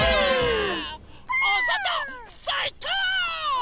おそとさいこう！